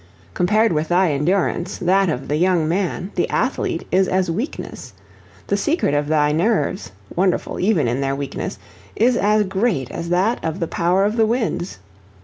Compared with thy endurance, that of the young man, the athlete, is as weakness; the secret of thy nerves, wonderful even in their weakness, is as great as that of the power of the winds.